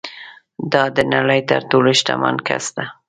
دا د نړۍ تر ټولو شتمن کس ده